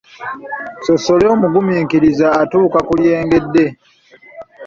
Ssossolye omugumiikiriza atuuka ku lyengedde.